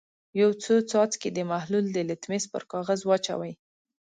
یو څو څاڅکي د محلول د لتمس پر کاغذ واچوئ.